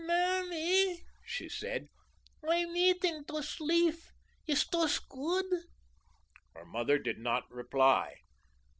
"Mammy," she said, "I'm eating those leaf. Is those good?" Her mother did not reply.